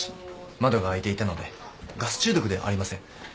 窓が開いていたのでガス中毒ではありません。